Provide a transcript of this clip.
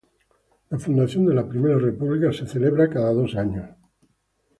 La fundación de la primera República está also celebrada cada dos años.